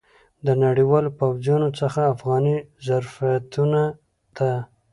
د نړیوالو پوځیانو څخه افغاني ظرفیتونو ته.